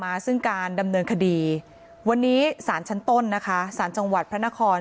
มาซึ่งการดำเนินคดีวันนี้สารชั้นต้นนะคะสารจังหวัดพระนคร